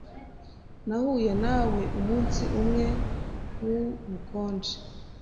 Nahuye nawe umunsi umwe wubukonje.